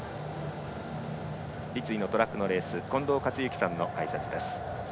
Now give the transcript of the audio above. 立位のトラックのレースは近藤克之さんの解説です。